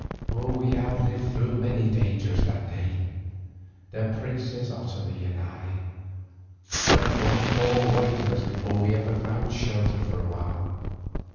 We had lived through many dangers that day, the princess Otomie and I, but one more awaited us before ever we found shelter for awhile.